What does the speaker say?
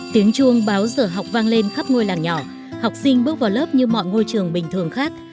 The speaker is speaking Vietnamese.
tiếng chuông báo giờ học vang lên khắp ngôi làng nhỏ học sinh bước vào lớp như mọi ngôi trường bình thường khác